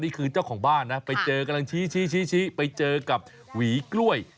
เจ้าของบ้านนะไปเจอกำลังชี้ไปเจอกับหวีกล้วย